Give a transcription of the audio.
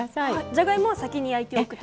じゃがいもは先に焼いておくと。